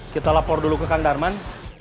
kita lapor dulu ke kang darman